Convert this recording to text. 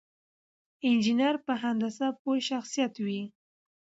انجينر په هندسه پوه شخصيت وي.